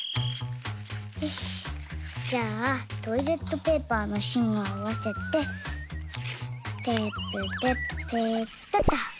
よしじゃあトイレットペーパーのしんをあわせてテープでペタッと。